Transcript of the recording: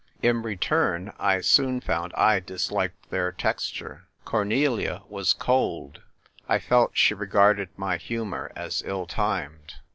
In return, I soon found I disliked their texture. Cornelia was cold ; I felt she regarded my humour as ill timed.